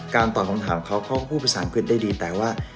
ตอบคำถามเขาก็พูดภาษาอังกฤษได้ดีแต่ว่า